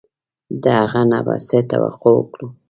د هغه نه به څه توقع وکړو.